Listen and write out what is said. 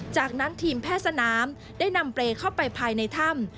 จากนั้นทีมแพทย์สนามได้นำเปรย์เข้าไปภายในถ้ำ